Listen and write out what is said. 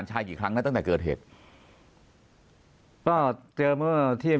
ปากกับภาคภูมิ